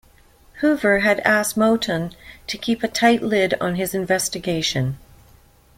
Hoover had asked Moton to keep a tight lid on his investigation.